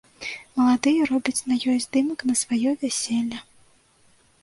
Маладыя робяць на ёй здымак на сваё вяселле.